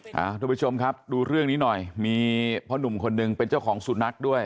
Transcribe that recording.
คุณผู้ชมครับดูเรื่องนี้หน่อยมีพ่อหนุ่มคนหนึ่งเป็นเจ้าของสุนัขด้วย